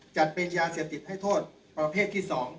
จัดเป็นยาเสพติดให้โทษประเภทที่๒